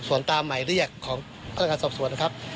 ส่วนตามหมายเรียกของพนักงานสอบสวนครับ